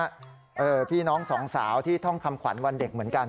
นี่น่ารักจริงนะฮะพี่น้องสองสาวที่ท่องคำขวัญวันเด็กเหมือนกัน